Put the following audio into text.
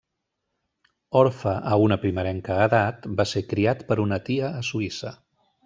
Orfe a una primerenca edat, va ser criat per una tia a Suïssa.